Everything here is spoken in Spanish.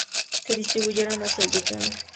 Se distribuyen hacia el yeyuno.